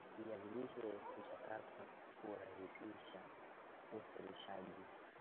viazi lishe vikichakatwa hurahisisha usafirishaji